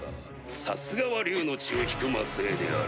さすがは竜の血を引く末裔である。